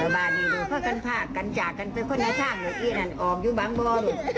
บ้านนี้พวกเขาการฟากการจากการไปข้างหน้าทางในกินออกอยู่บ้างบ้าง